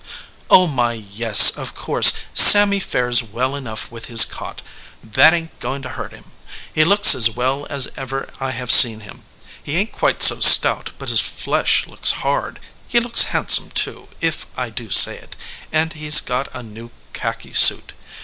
"Oh my, yes; of course Sammy fares well enough with his cot. That ain t goin to hurt him. He looks as well as ever I have seen him. He ain t quite so stout, but his flesh looks hard. He looks handsome, too, if I do say it, and he s got a new khaki suit.